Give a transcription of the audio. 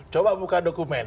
coba buka dokumen